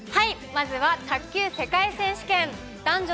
まずは卓球世界選手権。